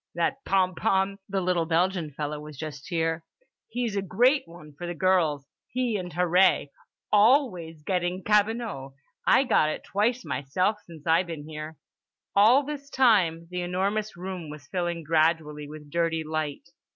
"That Pompom, the little Belgian feller was just here, he's a great one for the girls. He and Harree. Always getting cabinot. I got it twice myself since I been here." All this time the enormous room was filling gradually with dirty light.